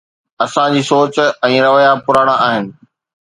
اسان جي سوچ ۽ رويا پراڻا آهن.